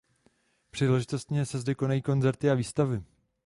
Příležitostně se zde konají koncerty a výstavy.